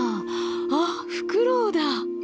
あっフクロウだ！